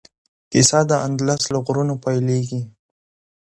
کیسه د اندلس له غرونو پیلیږي.